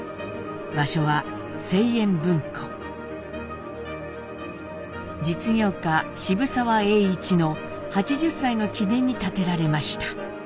場所は実業家渋沢栄一の８０歳の記念に建てられました。